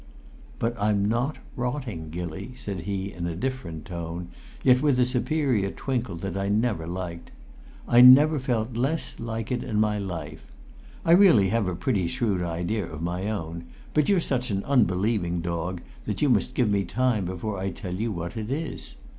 "But I'm not rotting, Gilly," said he in a different tone, yet with a superior twinkle that I never liked. "I never felt less like it in my life. I really have a pretty shrewd idea of my own, but you're such an unbelieving dog that you must give me time before I tell you what it is.